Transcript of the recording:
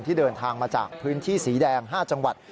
ที่เดินทางมาจากพื้นที่สีแดง๕จังหวัด